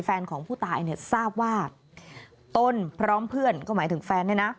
แฟนของผู้ตายเนี่ยทราบว่าต้นพร้อมเพื่อนก็หมายถึงแฟนเนี่ยนะ